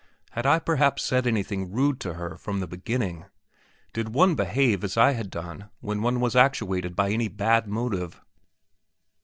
Had I perhaps said anything rude to her from the beginning? Did one behave as I had done when one was actuated by any bad motive?